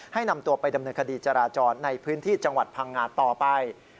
ให้นำตัวไปดำเนินคดีจราจรในพื้นที่จังหวัดพังงาต่อไป